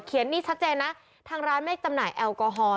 นี่ชัดเจนนะทางร้านไม่จำหน่ายแอลกอฮอล